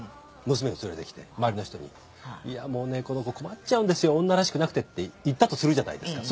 娘を連れてきて周りの人に「もうねこの子困っちゃうんですよ女らしくなくて」って言ったとするじゃないですか。